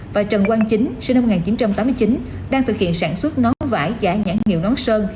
và trần quang chính sinh năm một nghìn chín trăm tám mươi chín đang thực hiện sản xuất nón vải và nhãn hiệu nón sơn